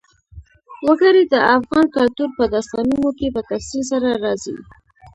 وګړي د افغان کلتور په داستانونو کې په تفصیل سره راځي.